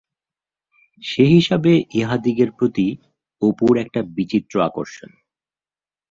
সে হিসাবে ইহাদিগের প্রতি অপুর একটা বিচিত্র আকর্ষণ।